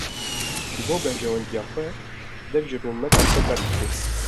Ji bo berjewendiya xwe dev ji rûmeta xwe berdide.